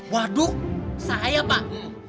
waduh saya pak